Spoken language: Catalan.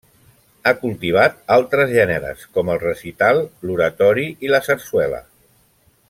Ha cultivat altres gèneres, com el recital, l'oratori i la sarsuela.